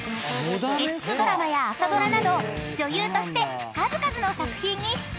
［月９ドラマや朝ドラなど女優として数々の作品に出演］